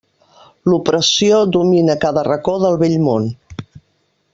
L'opressió domina cada racó del vell món.